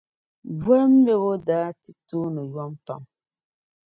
M boliŋmɛbo daa ti tooni yom pam.